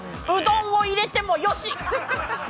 うどんを入れてもよし！